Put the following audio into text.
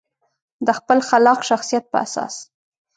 د خپل خلاق شخصیت په اساس.